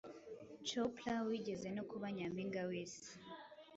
Chopra wigeze no kuba Nyampinga w’Isi